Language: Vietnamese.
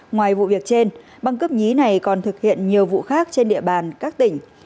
ngoài vụ việc trên băng cướp nhí này còn thực hiện nhiều vụ khác trên địa bàn các tỉnh